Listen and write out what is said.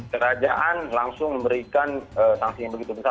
kerajaan langsung memberikan sanksinya begitu